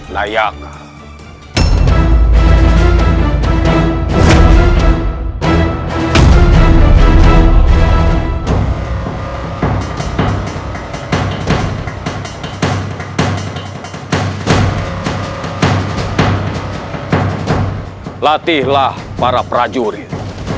pajajaran harus berhubung